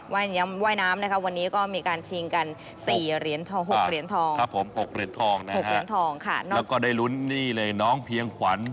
ว่ายน้ำวันนี้ก็มีการชิงกัน๖เหรียญทอง๖เหรียญทองแล้วก็ได้ลุ้นนี่เลยน้องเพียงขวัญ